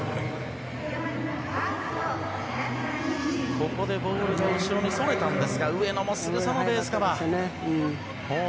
ここでボールが後ろにそれたんですが上野もすぐさまベースカバー。